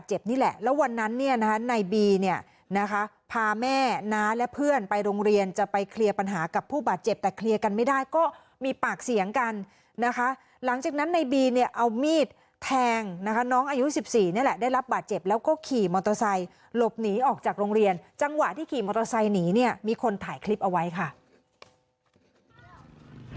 วิ่งป่าววิ่งป่าววิ่งป่าววิ่งป่าววิ่งป่าววิ่งป่าววิ่งป่าววิ่งป่าววิ่งป่าววิ่งป่าววิ่งป่าววิ่งป่าววิ่งป่าววิ่งป่าววิ่งป่าววิ่งป่าววิ่งป่าววิ่งป่าววิ่งป่าววิ่งป่าววิ่งป่าววิ่งป่าววิ่งป่าววิ่งป่าววิ่งป